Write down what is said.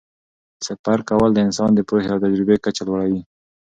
د سفر کول د انسان د پوهې او تجربې کچه لوړوي.